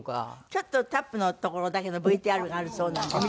ちょっとタップのところだけのＶＴＲがあるそうなんで。